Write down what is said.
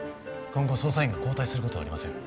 今後捜査員が交代することはありません